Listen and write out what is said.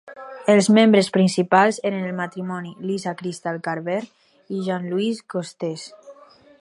Els membres principals eren el matrimoni Lisa Crystal Carver i Jean-Louis Costes.